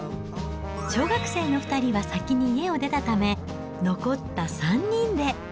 小学生の２人は先に家を出たため、残った３人で。